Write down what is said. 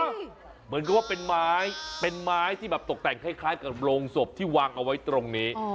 เหมือนกับว่าเป็นไม้เป็นไม้ที่แบบตกแต่งคล้ายกับโรงศพที่วางเอาไว้ตรงนี้